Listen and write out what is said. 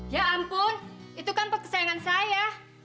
ya ampun itu kan kesayangan saya